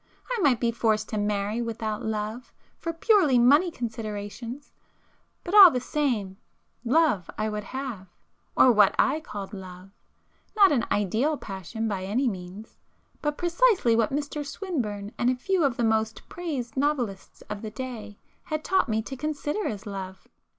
I might be forced to marry without love for purely money considerations,—but all the same, love I would have, or what I called love;—not an 'ideal' passion by any means, but precisely what Mr Swinburne and a few of the most praised novelists of the day had taught me to consider as love.